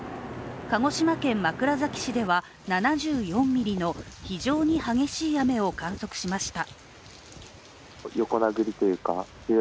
鹿児島県枕崎市では７４ミリの非常に激しい雨を観測しました。